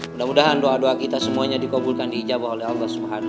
mudah mudahan doa doa kita semuanya dikabulkan di ijabah oleh allah swt